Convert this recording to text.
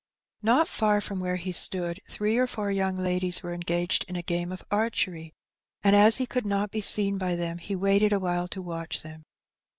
Not far from where he stood three or four young ladies were engaged in a game of archery, and as he could not be seen by them, he waited awhile to watch them.